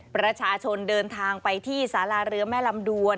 ประชาชนเดินทางไปที่สาราเรือแม่ลำดวน